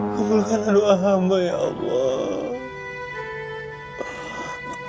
kumulkanlah doa hamba ya allah